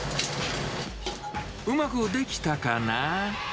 うまく出来たかな？